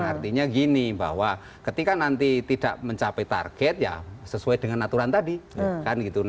artinya gini bahwa ketika nanti tidak mencapai target ya sesuai dengan aturan tadi